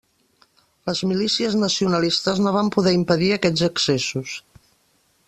Les milícies nacionalistes no van poder impedir aquests excessos.